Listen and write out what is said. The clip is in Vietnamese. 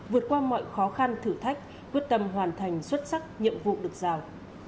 vượt qua mọi khó khăn thử thách quyết tâm hoàn thành xuất sắc nhiệm vụ được giao